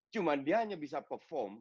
cuma dia hanya bisa perform